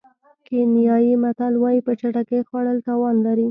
کینیايي متل وایي په چټکۍ خوړل تاوان لري.